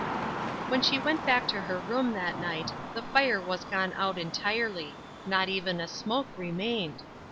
When she went back to her room that night, the fire was gone out utterly; not even a smoke remained.